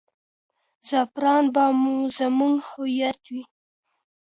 زعفران به زموږ هویت وي.